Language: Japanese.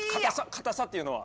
硬さっていうのは？